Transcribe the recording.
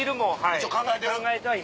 一応考えてる？